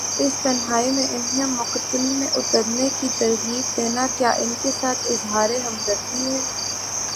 اس تنہائی میں انہیں مقتل میں اترنے کی ترغیب دینا، کیا ان کے ساتھ اظہار ہمدردی ہے؟